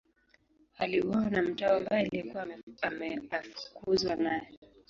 Aliuawa na mtawa mbaya aliyekuwa ameafukuzwa naye.